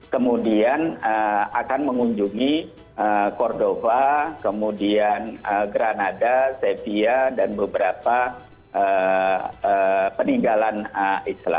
kemudian akan mengunjungi cordoba kemudian granada sevilla dan beberapa negara lainnya